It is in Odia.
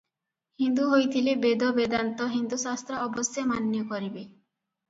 ହିନ୍ଦୁ ହୋଇଥିଲେ ବେଦ ବେଦାନ୍ତ ହିନ୍ଦୁଶାସ୍ତ୍ର ଅବଶ୍ୟ ମାନ୍ୟ କରିବେ।